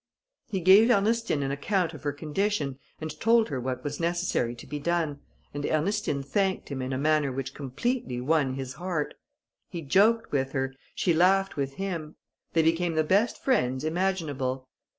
He gave Ernestine an account of her condition, and told her what was necessary to be done, and Ernestine thanked him in a manner which completely won his heart. He joked with her, she laughed with him; they became the best friends imaginable.